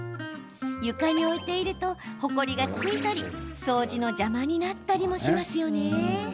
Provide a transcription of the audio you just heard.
床に置いているとほこりがついたり、掃除の邪魔になったりもしますよね。